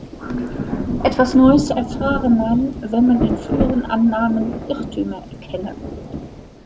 Etwas Neues erfahre man, wenn man in früheren Annahmen Irrtümer erkenne.